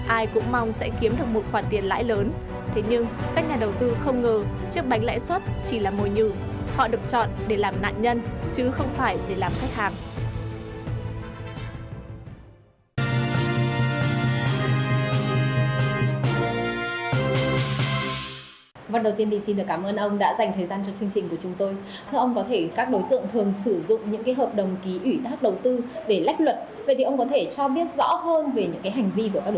ai cũng mong sẽ kiếm được một khoản tiền lãi lớn thế nhưng các nhà đầu tư không ngờ chiếc bánh lãi suất chỉ là mồi nhừ họ được chọn để làm nạn nhân chứ không phải để làm khách hàng